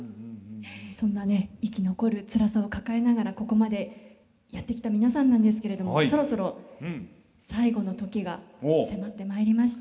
そんなね生き残るつらさを抱えながらここまでやってきた皆さんなんですけれどもそろそろ最後の時が迫ってまいりました。